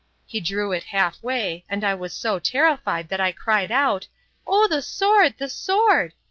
He drew it half way, and I was so terrified, that I cried out, Oh, the sword! the sword!